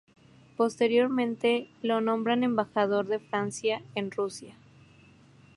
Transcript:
Posteriormente lo nombran embajador de Francia en Rusia.